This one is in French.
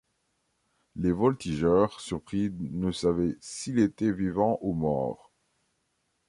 Les voltigeurs surpris ne savaient s’il était vivant ou mort.